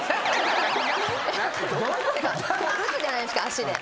打つじゃないですか足で。